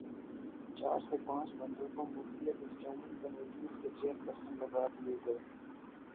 چار سے پانچ بندوں کو مختلف اسٹینڈنگ کمیٹیز کے چیئر پرسن لگادیے گئے ہیں۔